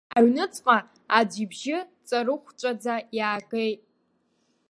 Аҳҭынра аҩныҵҟа аӡә ибжьы ҵарыхәҵәаӡа иаагеит.